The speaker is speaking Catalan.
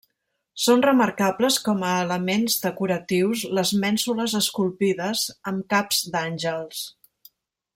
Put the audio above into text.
Són remarcables com a elements decoratius les mènsules esculpides amb caps d'àngels.